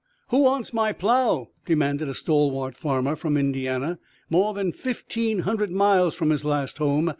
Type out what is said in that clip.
"Who wants my plow?" demanded a stalwart farmer, from Indiana, more than fifteen hundred miles from his last home.